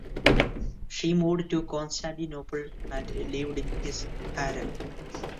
She moved to Constantinople and lived in his harem.